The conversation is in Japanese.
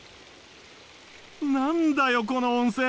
何だよこの温泉！